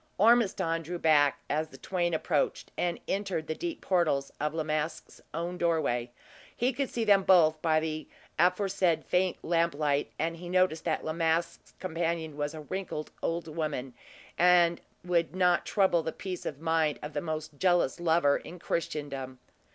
Ormiston drew back as the twain approached, and entered the deep portals of La Masque's own doorway. He could see them both by the aforesaid faint lamplight, and he noticed that La Masque's companion was a wrinkled old woman, that would not trouble the peace of mind of the most jealous lover in Christendom.